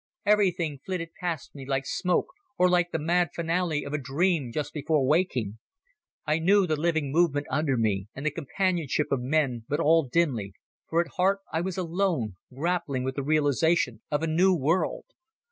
Everything flitted past me like smoke, or like the mad finale of a dream just before waking. I knew the living movement under me, and the companionship of men, but all dimly, for at heart I was alone, grappling with the realization of a new world.